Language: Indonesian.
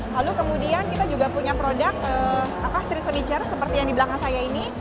lalu kemudian kita juga punya produk street furniture seperti yang di belakang saya ini